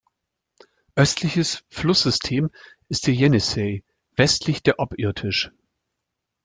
Östliches Flusssystem ist der Jenissej, westlich der Ob-Irtysch.